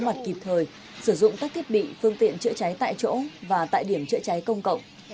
mặt kịp thời sử dụng các thiết bị phương tiện chữa cháy tại chỗ và tại điểm chữa cháy công cộng